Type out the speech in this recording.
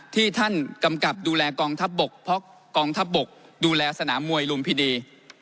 ที่ท่านกำกับดูแลกองทัพบกเพราะกองทัพบกดูแลสนามมวยลุมพินี